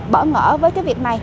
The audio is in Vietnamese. bở ngỡ với cái việc này